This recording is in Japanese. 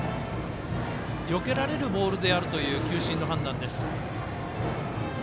よけられるボールであるという球審の判断です。